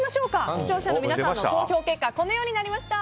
視聴者の皆さんの投票結果このようになりました。